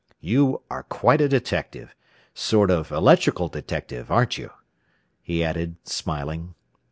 "You are quite a detective sort of 'electrical detective' aren't you?" he added, smiling.